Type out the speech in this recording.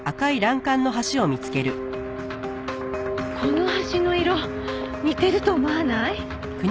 この橋の色似てると思わない？